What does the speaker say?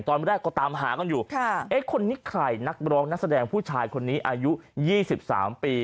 ตอนแรกก็ตามหากันอยู่เอ๊ะคนนี้ใครนักร้องนักแสดงผู้ชายคนนี้อายุ๒๓ปี